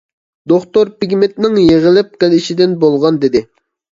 دوختۇر پىگمېنتنىڭ يىغىلىپ قېلىشىدىن بولغان دېدى.